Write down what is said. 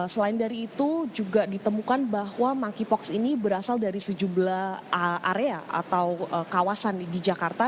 selain dari itu juga ditemukan bahwa monkeypox ini berasal dari sejumlah area atau kawasan di jakarta